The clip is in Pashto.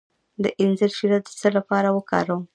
د انځر شیره د څه لپاره وکاروم؟